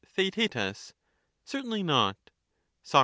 Theaet. Certainly not. Soc.